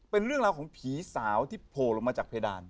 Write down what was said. เป็นเรื่องราวของผีสาวที่โผล่ลงมาจากเพดาน